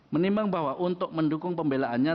menimbang bahwa untuk mendukung pembelaannya